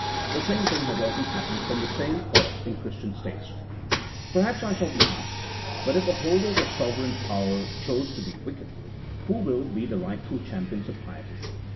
The same thing has often happened from the same cause in Christian states. Perhaps I shall be asked, " But if the holders of sove reign power choose to be wicked, who will be the rightful champion of piety